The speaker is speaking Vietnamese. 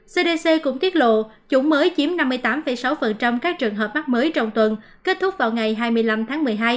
cdc cũng tiết lộ chủng mới chiếm năm mươi tám sáu các trường hợp mắc mới trong tuần kết thúc vào ngày hai mươi năm tháng một mươi hai